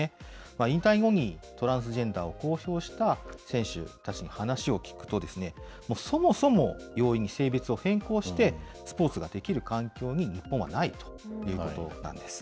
引退後にトランスジェンダーを公表した選手たちに話を聞くと、そもそも容易に性別を変更して、スポーツができる環境に日本はないということなんです。